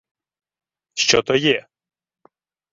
— Що то є?